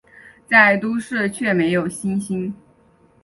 在都市却没有星星